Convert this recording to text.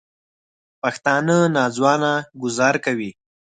پښتانه نا ځوانه ګوزار کوي